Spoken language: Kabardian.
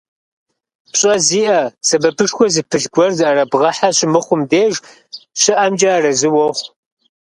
ПщӀэ зиӀэ, сэбэпышхуэ зыпылъ гуэр зыӀэрыбгъэхьэ щымыхъум деж щыӀэмкӀэ арэзы уохъу.